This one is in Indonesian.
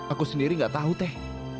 aku sendiri gak tahu teh